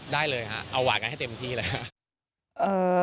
ได้เลยครับเอาหวานกันให้เต็มที่เลยครับ